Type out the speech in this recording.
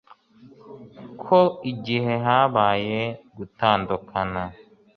ko igihe habaye gutandukana